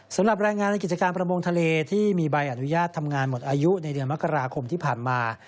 สำหรับแรงงานในกิจการประมงทะเลที่มีใบอนุญาตทำงานหมดอายุในเดือนมกราคมที่ผ่านมา